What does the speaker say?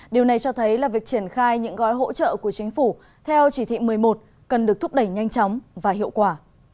điều này cho thấy là việc triển khai những gói hỗ trợ của chính phủ theo chỉ thị một mươi một cần được thúc đẩy nhanh chóng và hiệu quả